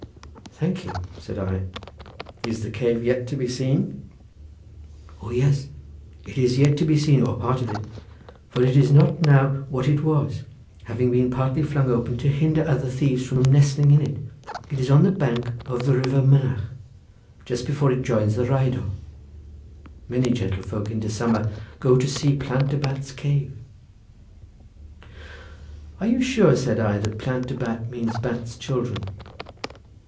"Thank you!" said I. "Is the cave yet to be seen?" "O yes! it is yet to be seen, or part of it, for it is not now what it was, having been partly flung open to hinder other thieves from nestling in it. It is on the bank of the river Mynach, just before it joins the Rheidol. Many gentlefolk in de summer go to see the Plant de Bat's cave." "Are you sure?" said I, "that Plant de Bat means Bat's children?"